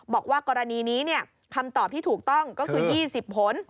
บอกว่ากรณีนี้คำตอบที่ถูกต้องก็คือ๒๐ผล